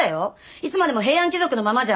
いつまでも平安貴族のままじゃ。